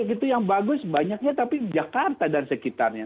itu yang bagus banyaknya tapi jakarta dan sekitarnya